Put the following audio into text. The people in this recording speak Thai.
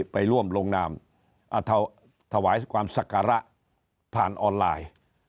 ไปร่วมลงนามถวายความศักระผ่านออนไลน์